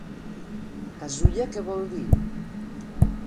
Casulla, què vol dir?